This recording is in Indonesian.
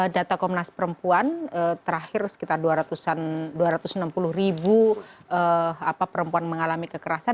data komnas perempuan terakhir sekitar dua ratus enam puluh ribu perempuan mengalami kekerasan